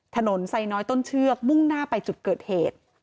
ถนนไซน้อยต้นเชือกมุ่งหน้าไปจุดเกิดเหตุ